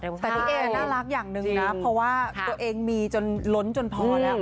แต่พี่เอน่ารักอย่างหนึ่งนะเพราะว่าตัวเองมีจนล้นจนพอแล้ว